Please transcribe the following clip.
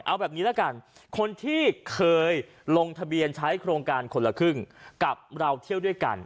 เอาแบบนี้ละกันคนที่เคยลงทะเบียนใช้โครงการคนละครึ่งกับเราเที่ยวด้วยกัน